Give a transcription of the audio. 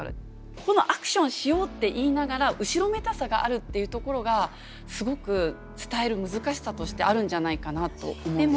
このアクションをしようって言いながら後ろめたさがあるっていうところがすごく伝える難しさとしてあるんじゃないかなと思うんですよ。